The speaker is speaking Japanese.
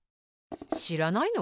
しらないの？